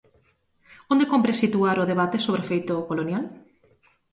Onde cómpre situar o debate sobre o feito colonial?